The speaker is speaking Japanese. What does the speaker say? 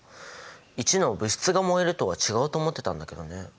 １の「物質が燃える」とは違うと思ってたんだけどね。